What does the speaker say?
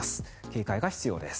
警戒が必要です。